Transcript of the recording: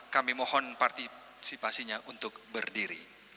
kami mohon partisipasinya untuk berdiri